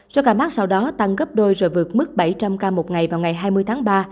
số ca mắc sau đó tăng gấp đôi rồi vượt mức bảy trăm linh ca một ngày vào ngày hai mươi tháng ba